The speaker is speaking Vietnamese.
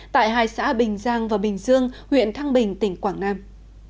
tại hai xã bình giang và bình dương huyện thăng bình tỉnh quảng nam